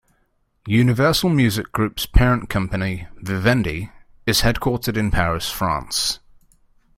Universal Music Group's parent company, Vivendi, is headquartered in Paris, France.